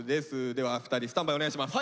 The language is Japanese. では２人スタンバイお願いします。